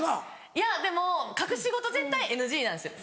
いやでも隠し事絶対ＮＧなんですよ。